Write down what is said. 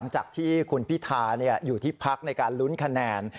จากที่คุณพิธาอยู่ที่พักในการลุ้นคะแนน